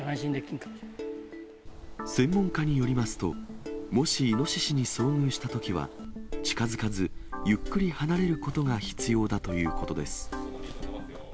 専門家によりますと、もしイノシシに遭遇したときは、近づかず、ゆっくり離れることが必要だということです。